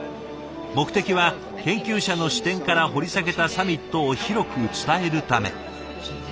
目的は研究者の視点から掘り下げたサミットを広く伝えるため。